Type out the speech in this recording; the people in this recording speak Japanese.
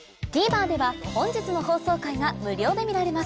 ＴＶｅｒでは本日の放送回が無料で見られます